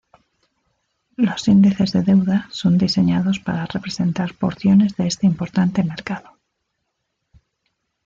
Los índices de deuda son diseñados para representar porciones de este importante mercado.